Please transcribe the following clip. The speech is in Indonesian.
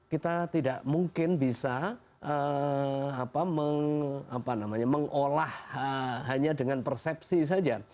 kita tidak mungkin bisa mengolah hanya dengan persepsi saja